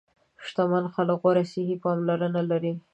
شتمن خلک غوره صحي پاملرنه لري.